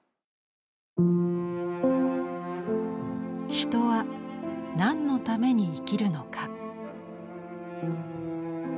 人は、なんのために生きるのか。